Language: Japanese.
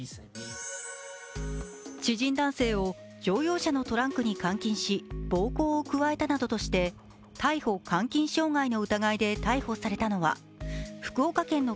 知人男性を乗用車のトランクに監禁し暴行を加えたなどとして逮捕監禁傷害の疑いで逮捕されたのは福岡県の